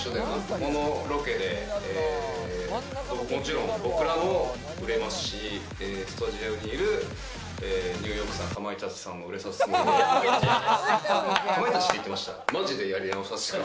このロケで、もちろん僕らも売れますし、スタジオにいるニューヨークさん、かまいたちはいません。